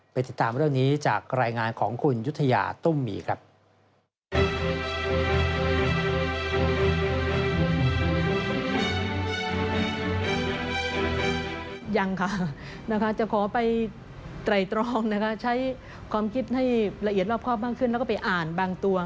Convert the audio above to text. ติดตามเรื่องนี้จากรายงานของคุณยุธยาตุ้มมีครับ